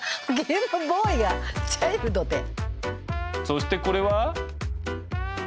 そしてこれは？